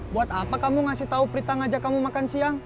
buat apa kamu ngasih tahu peritang ajak kamu makan siang